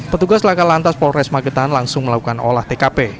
petugas laka lantas polres magetan langsung melakukan olah tkp